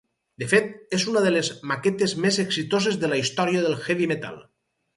De fet, és una de les maquetes més exitoses de la història del heavy metal.